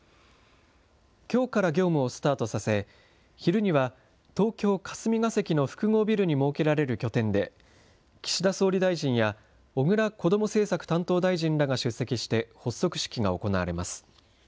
きょうから業務をスタートさせ、昼には東京・霞が関の複合ビルに設けられる拠点で、岸田総理大臣や小倉こども政策担当大臣らが出席して発足式が行われます。